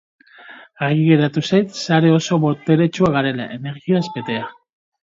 Argi geratu zait sare oso boteretsua garela, energiaz betea.